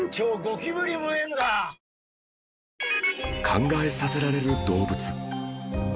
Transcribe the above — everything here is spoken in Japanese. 考えさせられる動物